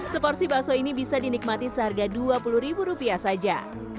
seporsi bakso ini bisa dinikmati seharga rp dua puluh saja